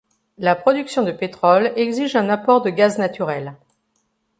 La production de pétrole exige un apport de gaz naturel.